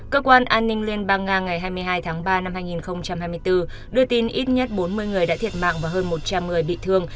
cơ quan an ninh liên bang nga ngày hai mươi hai tháng ba năm hai nghìn hai mươi bốn đưa tin ít nhất bốn mươi người đã thiệt mạng và hơn một trăm linh người bị thương